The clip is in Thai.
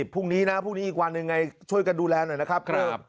พรุ่งนี้นะพรุ่งนี้อีกวันหนึ่งไงช่วยกันดูแลหน่อยนะครับ